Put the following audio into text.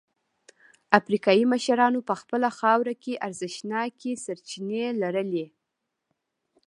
افریقايي مشرانو په خپله خاوره کې ارزښتناکې سرچینې لرلې.